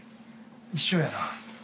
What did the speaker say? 一緒やな。